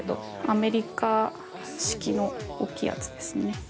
アメリカ式の大きいやつですね」